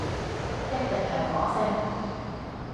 一定係火星